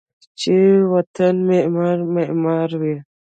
چې و طن معمار ، معمار وی